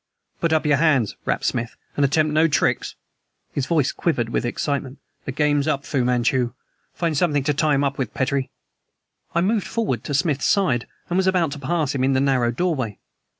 "Put up your hands!" rapped Smith, "and attempt no tricks." His voice quivered with excitement. "The game's up, Fu Manchu. Find something to tie him up with, Petrie." I moved forward to Smith's side, and was about to pass him in the narrow doorway.